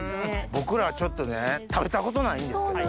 僕らちょっとね食べたことないんですけど。